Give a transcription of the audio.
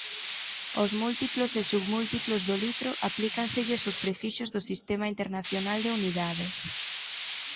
Ós múltiplos e submúltiplos do litro aplícanselles os prefixos do Sistema Internacional de Unidades.